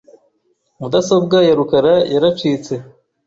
Mudasobwa ya rukara yaracitse .